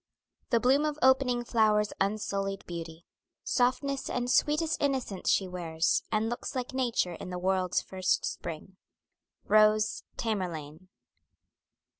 The bloom of opening flowers' unsullied beauty Softness and sweetest innocence she wears, And looks like nature in the world's first spring. ROWE'S "TAMERLANE."